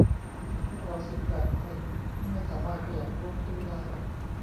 พวกเราสิบแปดคนไม่สามารถขยับรถตู้ได้